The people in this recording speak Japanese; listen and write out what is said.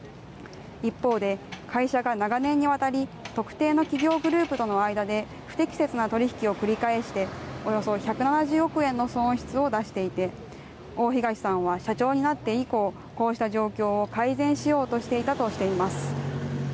一方で、会社が長年にわたり、特定の企業グループとの間で不適切な取り引きを繰り返して、およそ１７０億円の損失を出していて、大東さんは社長になって以降、こうした状況を改善しようとしていたとしています。